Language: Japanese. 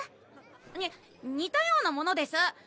ににたようなものです